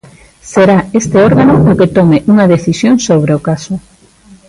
Será este órgano o que tome unha decisión sobre o caso.